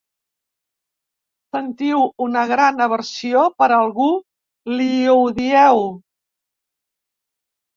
Sentiu una gran aversió per algú li ho dieu.